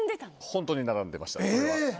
本当に並んでました。